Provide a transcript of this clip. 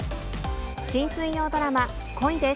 新水曜ドラマ、恋です！